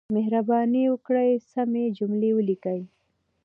مهرباني وکړئ، سمې جملې وليکئ!